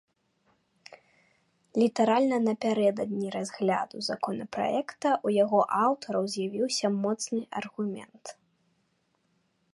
Літаральна напярэдадні разгляду законапраекта ў яго аўтараў з'явіўся моцны аргумент.